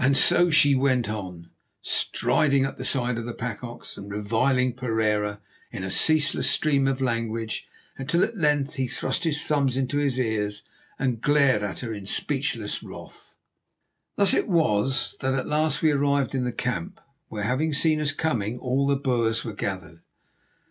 So she went on, striding at the side of the pack ox, and reviling Pereira in a ceaseless stream of language, until at length he thrust his thumbs into his ears and glared at her in speechless wrath. Thus it was that at last we arrived in the camp, where, having seen us coming, all the Boers were gathered.